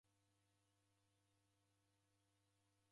Uhu ndedimkunde.